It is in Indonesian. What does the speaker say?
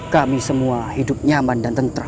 kami semua hidup nyaman dan tentra